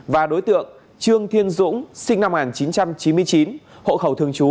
và đối tượng trương thiên dũng sinh năm một nghìn chín trăm chín mươi chín hộ khẩu thường trú